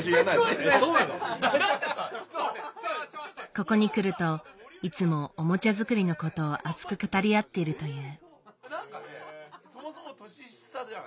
ここに来るといつもおもちゃ作りのことを熱く語り合っているという。